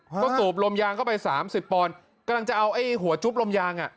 ก็สูบลมยางเข้าไปสามสิบปอนด์กำลังจะเอาไอ้หัวจุ๊บลมยางอ่ะ